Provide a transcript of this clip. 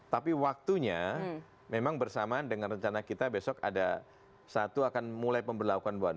tapi waktunya memang bersamaan dengan rencana kita besok ada satu akan mulai pemberlakuan